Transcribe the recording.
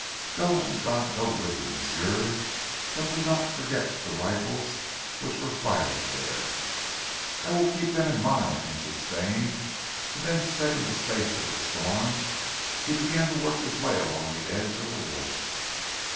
"Go, and God go with you, m'sieu; but do not forget zee rifles which were fired dere." "I will keep them in mind," answered Stane, and then setting his face to the storm, he began to work his way along the edge of the wood.